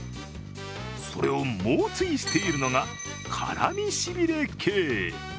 それを猛追しているのが辛みしびれ系。